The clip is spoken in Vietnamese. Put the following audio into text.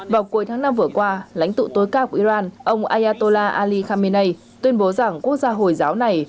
vào cuối tháng năm vừa qua lãnh tụ tối cao của iran ông aatola ali khamenei tuyên bố rằng quốc gia hồi giáo này